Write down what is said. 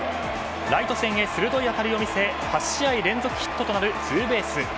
ライト線へ鋭い当たりを見せ８試合連続となるツーベース。